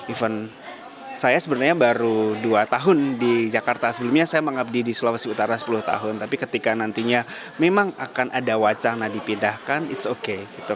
even saya sebenarnya baru dua tahun di jakarta sebelumnya saya mengabdi di sulawesi utara sepuluh tahun tapi ketika nantinya memang akan ada wacana dipindahkan ⁇ its ⁇ okay